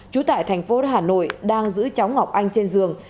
trú tại thành phố hà nội đang giữ cháu ngọc anh trên giường